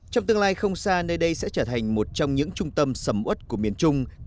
trong tương lai không xa nơi đây sẽ trở thành một trong những trung tâm sầm út của miền trung